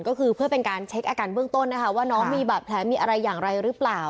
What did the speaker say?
ก็คือเพื่อเป็นการเช็คอาการเบื้องต้นนะคะว่าน้องมีบาดแผลมีอะไรอย่างไรหรือเปล่า